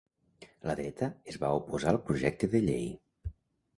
La dreta es va oposar al projecte de llei.